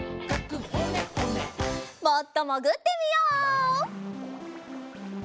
もっともぐってみよう。